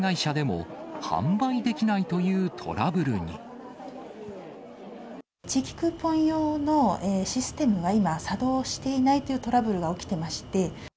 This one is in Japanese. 都内の旅行会社でも、地域クーポン用のシステムが今、作動していないというトラブルが起きてまして。